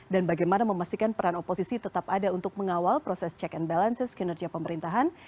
dan bagaimana memastikan peran oposisi tetap ada untuk mengawal proses check and balances kinerja pemerintahan